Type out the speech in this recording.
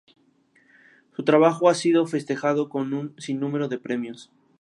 Su trabajo ha sido festejado con un sinnúmero de premios.